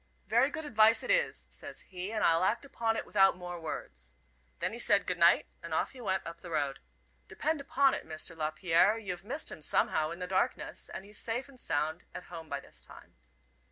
'Very good advice it is,' says he, 'and I'll act upon it without more words.' Then he said 'good night,' and off he went up the road. Depend upon it, Mr. Lapierre, you've missed him somehow in the darkness, and he's safe and sound at home by this time."